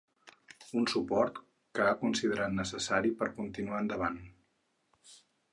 Un suport que ha considerat ‘necessari per continuar endavant’.